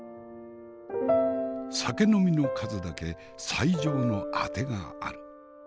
酒飲みの数だけ最上のあてがある。